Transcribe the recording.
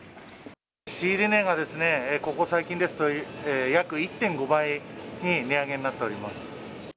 仕入れ値がここ最近ですと、約１．５倍に値上げになっております。